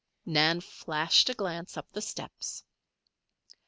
Nan flashed a glance up the steps.